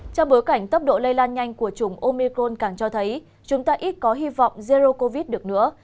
trong bối cảnh tốc độ lây lan nhanh của chủng omicron càng cho thấy chúng ta ít có hy vọng zero covid được nữa